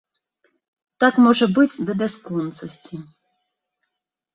Так можа быць да бясконцасці.